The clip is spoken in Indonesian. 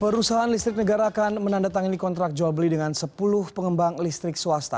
perusahaan listrik negara akan menandatangani kontrak jual beli dengan sepuluh pengembang listrik swasta